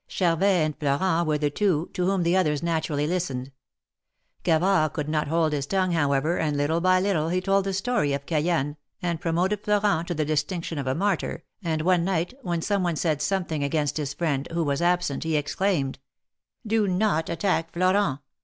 Charvet and Florent were the two, to whom the others naturally listened. Gavard could not hold his tongue, however, and little by little he told the story of Cayenne, and promoted Florent to the distinction of a martyr, and THE MARKETS OF PARIS. 169 one night, when some one said something against his friend, who was absent, he exclaimed :" Do not attack Florent.